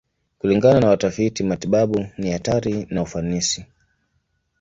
Kulingana na watafiti matibabu, ni hatari na ufanisi.